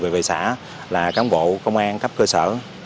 về xã là cán bộ công an cấp cơ sở